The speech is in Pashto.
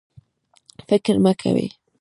فکر مه کوئ